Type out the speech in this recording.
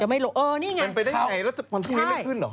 เป็นไปได้ยังไงแล้วมันจะไม่ขึ้นเหรอ